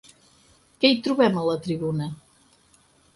Què hi trobem a la tribuna?